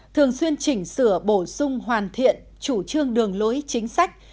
thường xuyên chỉnh sửa bổ sung hoàn thiện chủ trương đường lối chính sách